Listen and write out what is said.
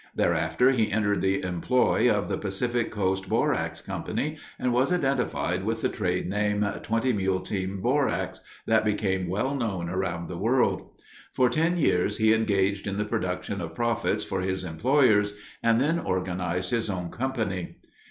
Thereafter, he entered the employ of the Pacific Coast Borax Company and was identified with the trade name, "Twenty Mule Team Borax," that became well known around the world. For ten years he engaged in the production of profits for his employers and then organized his own company.